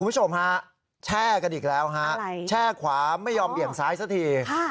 คุณผู้ชมฮะแช่กันอีกแล้วฮะแช่ขวาไม่ยอมเบี่ยงซ้ายสักที